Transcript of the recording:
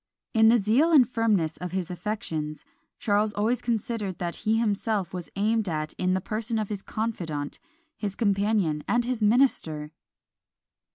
In the zeal and firmness of his affections, Charles always considered that he himself was aimed at in the person of his confidant, his companion, and his minister!